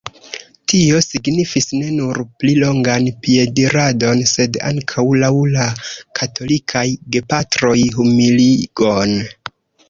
Tio signifis ne nur pli longan piediradon sed ankaŭ, laŭ la katolikaj gepatroj, humiligon.